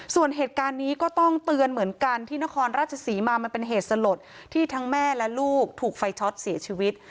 ส่วนเหตุการณ์นี้ก็ต้องเตือนเหมือนกันที่นครราชศรีมามันเป็นเหตุสลดที่ทั้งแม่และลูกถูกไฟช็อตเสียชีวิต